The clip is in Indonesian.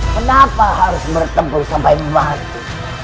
kenapa harus bertempur sampai mati